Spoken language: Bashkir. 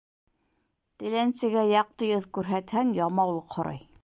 Теләнсегә яҡты йөҙ күрһәтһәң, ямаулыҡ һорай.